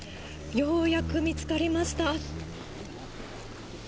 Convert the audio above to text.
ようやく見つかりました。